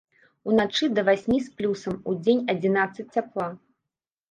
Уначы да васьмі з плюсам, удзень адзінаццаць цяпла.